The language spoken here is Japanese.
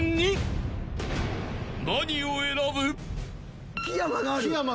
［何を選ぶ？］